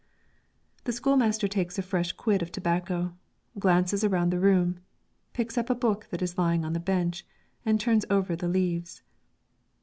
The school master takes a fresh quid of tobacco, glances around the room, picks up a book that is lying on the bench, and turns over the leaves.